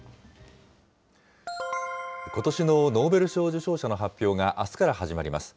ことしのノーベル賞受賞者の発表が、あすから始まります。